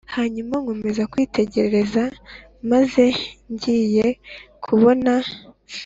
Hanyuma nkomeza kwitegereza maze ngiye kubona